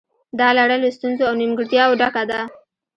دا لړۍ له ستونزو او نیمګړتیاوو ډکه ده